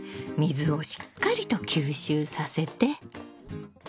水をしっかりと吸収させて。